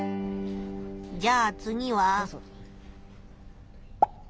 じゃあ次は？